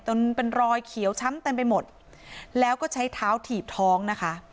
จนเป็นรอยเขียวช้ำเต็มไปหมดแล้วก็ใช้เท้าถีบท้องนะคะ